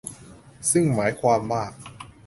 ซึ่งหมายความว่า